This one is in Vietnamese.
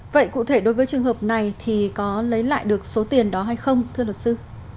vậy cụ thể đối với trường hợp này thì có lấy lại được số tiền đó hay không thưa luật sư